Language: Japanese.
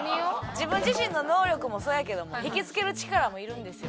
自分自身の能力もそうやけども引きつける力もいるんですよ。